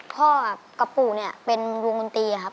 พ่อกับปู่เนี่ยเป็นวงดนตรีครับ